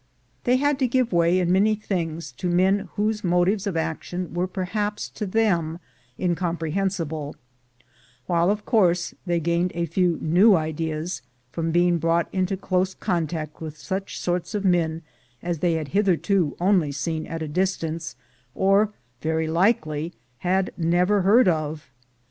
They had to give way in many things to men whose motives of action were perhaps to them incompre hensible, while of course they gained a few new ideas from being brought into close contact with such sorts of men as they had hitherto only seen at a distance, or very likely had never heard of.